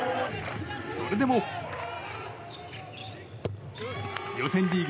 それでも予選リーグ